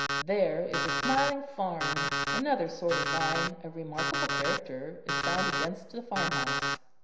There is a smiling farm; another sort of vine, of remarkable character, is found against the farm house.